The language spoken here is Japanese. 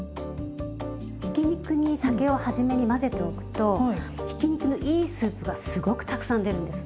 ひき肉に酒をはじめに混ぜておくとひき肉のいいスープがすごくたくさん出るんです。